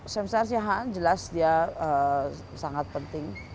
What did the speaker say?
sem sar siahaan jelas dia sangat penting